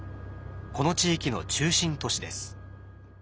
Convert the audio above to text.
この地域の中心都市です。